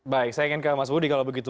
baik saya ingin ke mas budi kalau begitu